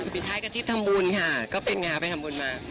พิทัศน์กันที่ทำบุญค่ะก็เป็นอย่างไรไปทำบุญมา